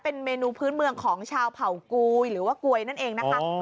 เป็นเมนูพื้นเมืองของชาวเผ่ากุยหรือว่ากวยนั่นเองนะคะ